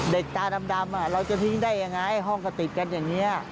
เด็ดตาดำเราจะทิ้งได้อย่างไรห้องกระติกกันอย่างนี้